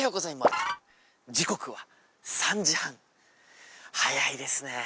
時刻は３時半早いですね